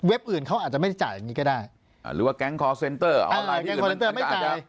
เว็บอื่นเขาอาจจะไม่จ่ายอย่างนี้ก็ได้หรือว่าแก๊งคอร์สเซนเตอร์ไม่จ่าย